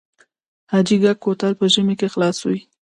حاجي ګک کوتل په ژمي کې خلاص وي؟